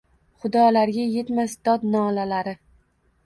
xudolarga yetmas dod-nolalari.